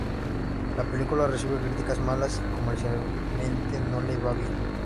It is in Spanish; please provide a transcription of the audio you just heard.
La película recibe críticas malas y comercialmente no le va bien.